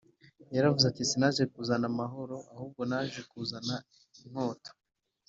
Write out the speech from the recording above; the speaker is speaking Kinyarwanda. yaravuze ati, “sinaje kuzana amahoro, ahubwo naje kuzana inkota